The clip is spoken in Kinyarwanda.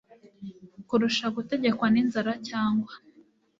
kurusha gutegekwa ninzara cyangwa